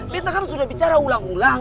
kita kan sudah bicara ulang ulang